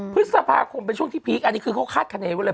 พฤษภาคมเป็นช่วงที่พีคอันนี้คือเขาคาดคณีไว้เลย